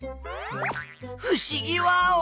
ふしぎワオ。